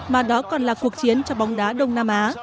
mà đó còn là cuộc chiến cho bóng đá đông nam á